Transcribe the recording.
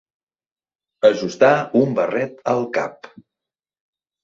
Ajustar un barret al cap.